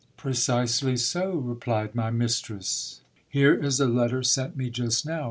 Precisely so, replied my mis tress. Here is a letter sent me just now.